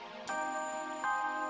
kau kayak gimana sih mbak when